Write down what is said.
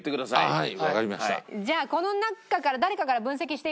はい。